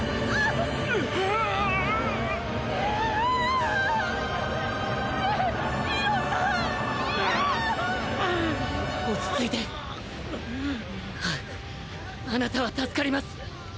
ああなたは助かります。